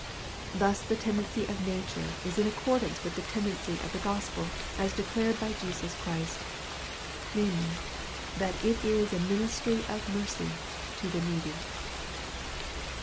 Thus the tendency of nature is in accordance with the tendency of the gospel as declared by Jesus Christ, namely, that it is a ministry of mercy to the needy.